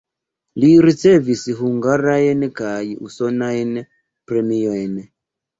Li ricevis hungarajn kaj usonajn premiojn.